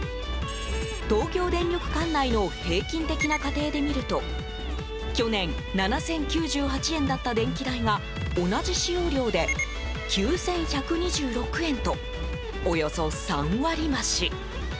東京電力管内の平均的な家庭で見ると去年７０９８円だった電気代が同じ使用量で９１２６円とおよそ３割増し。